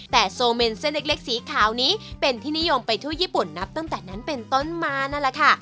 แต่โซเมนเส้นเล็กสีขาวนี้เป็นที่นิยมไปทั่วญี่ปุ่นนับตั้งแต่นั้นเป็นต้นมานั่นแหละค่ะ